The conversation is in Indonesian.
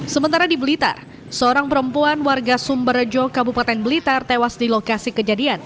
sementara di blitar seorang perempuan warga sumberjo kabupaten blitar tewas di lokasi kejadian